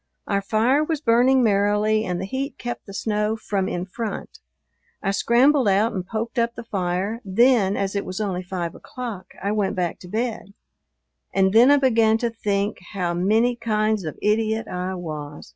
Our fire was burning merrily and the heat kept the snow from in front. I scrambled out and poked up the fire; then, as it was only five o'clock, I went back to bed. And then I began to think how many kinds of idiot I was.